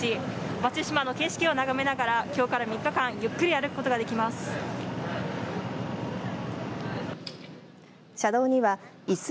松島の景色を眺めながらきょうから３日間ゆっくり歩くことができます。